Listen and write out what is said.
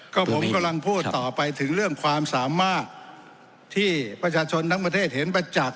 ก็ผมกำลังพูดต่อไปถึงเรื่องความสามารถที่ประชาชนทั้งประเทศเห็นประจักษ์